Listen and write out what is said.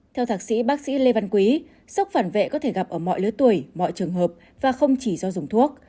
theo thạc sĩ bác sĩ lê văn quý sốc phản vệ có thể gặp ở mọi lứa tuổi mọi trường hợp và không chỉ do dùng thuốc